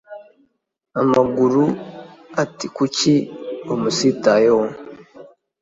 amaguru ati kuki wamusitayeho